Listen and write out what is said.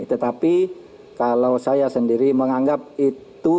tetapi kalau saya sendiri menganggap itu